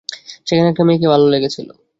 সেখানে একটা মেয়েকে ভালো লেগেছিল।